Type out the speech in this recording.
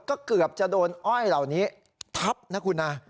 ก็เกือบจะโดนอ้อยเหล่านี้ทับนะคุณนะ